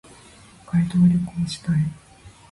北海道旅行したい。